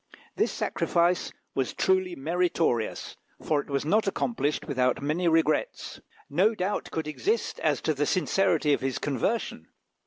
This sacrifice was truly meritorious, for it was not accomplished without many regrets. No doubt could exist as to the sincerity of his conversion.